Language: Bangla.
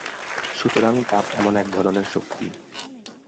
সুতরাং তাপ এমন এক ধরনের শক্তি।